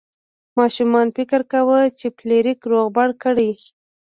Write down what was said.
ماشومان فکر کاوه چې فلیریک رغبل کړي.